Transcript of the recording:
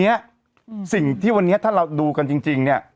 เนี้ยสิ่งที่วันนี้ถ้าเราดูกันจริงเนี่ย